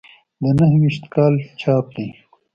د نهه ویشت کال چاپ دی.